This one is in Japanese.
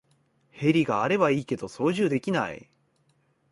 ヘリがあればいいけど操縦できない